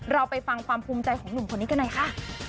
เราไปฟังความภูมิใจของหนุ่มคนนี้กันหน่อยค่ะ